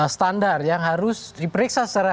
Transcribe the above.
standar yang harus diperiksa secara